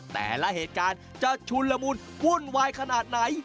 แต่ละเหตุการณ์จะชุนละมุนวุ่นวายขนาดไหน